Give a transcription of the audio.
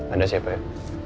anda siapa ya